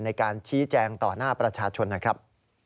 ในการชี้แจงต่อหน้าประชาชนหน่อยครับ